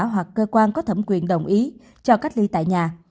hoặc cơ quan có thẩm quyền đồng ý cho cách ly tại nhà